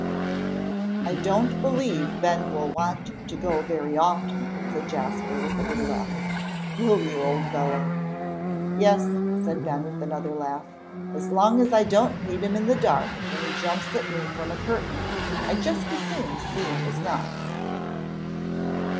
"I don't believe Ben will want to go very often," said Jasper, with a little laugh, "will you, old fellow?" "Yes," said Ben, with another laugh, "as long as I don't meet him in the dark, when he jumps at me from a curtain, I'd just as soon see him as not."